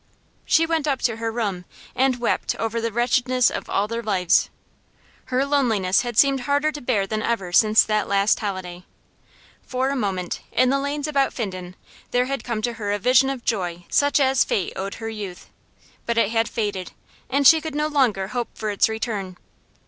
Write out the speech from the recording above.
She went up to her room, and wept over the wretchedness of all their lives. Her loneliness had seemed harder to bear than ever since that last holiday. For a moment, in the lanes about Finden, there had come to her a vision of joy such as fate owed her youth; but it had faded, and she could no longer hope for its return.